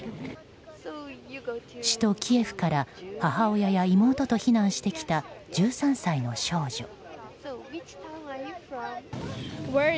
首都キエフから母親や妹と避難してきた１３歳の少女。